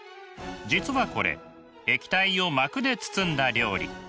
実はこれ液体を膜で包んだ料理。